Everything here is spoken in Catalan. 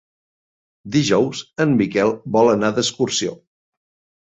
Dijous en Miquel vol anar d'excursió.